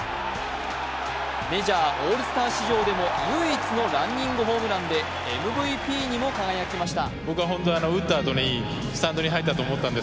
メジャーオールスター史上でも唯一のランニングホームランでＭＶＰにも輝きました。